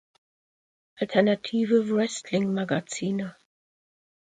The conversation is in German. Alternative Wrestling Magazine